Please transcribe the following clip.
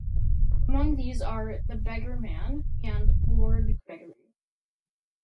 Among these are "The Beggar Man" and "Lord Gregory".